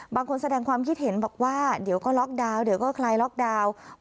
บางคนแสดงความคิดเห็นบอกว่าเดี๋ยวก็ล็อกดาวน์เดี๋ยวก็คลายล็อกดาวน์